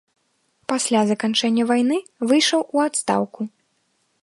Пасля заканчэння вайны выйшаў у адстаўку.